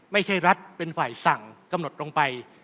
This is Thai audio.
ไม่ใช่รัฐเป็นฝ่ายสั่งกำหนดลงไป